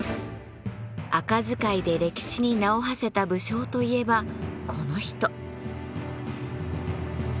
赤使いで歴史に名をはせた武将といえばこの人。